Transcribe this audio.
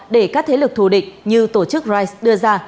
để các thế lực thù địch như tổ chức rise đưa ra